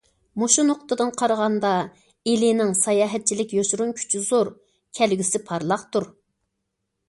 مۇشۇ نۇقتىدىن قارىغاندا ئىلىنىڭ ساياھەتچىلىك يوشۇرۇن كۈچى زور، كەلگۈسى پارلاقتۇر.